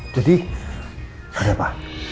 jadi ada apa